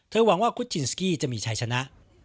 หวังว่าคุชินสกี้จะมีชัยชนะ